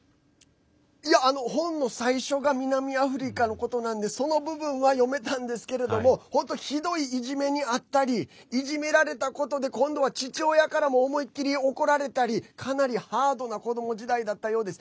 本の最初が南アフリカのことなのでその部分は読めたんですがひどいいじめに遭ったりいじめられたことで今度は父親からも思い切り怒られたりかなりハードな子ども時代だったようです。